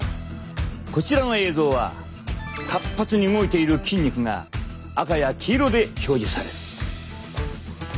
こちらの映像は活発に動いている筋肉が赤や黄色で表示される。